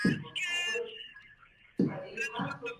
افغان استادان د نړیوالو بشري حقونو ملاتړ نه لري.